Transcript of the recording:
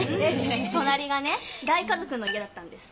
隣がね大家族の家だったんです。